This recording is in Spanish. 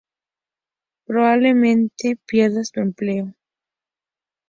Probablemente pierdas tu empleo